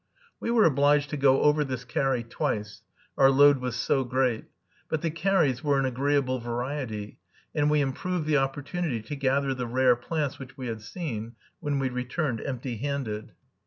We were obliged to go over this carry twice, our load was so great. But the carries were an agreeable variety, and we improved the opportunity to gather the rare plants which we had seen, when we returned empty handed.